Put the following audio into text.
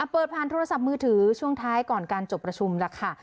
เปิดผ่านโทรศัพท์มือถือช่วงท้ายก่อนการจบประชุมแล้วค่ะ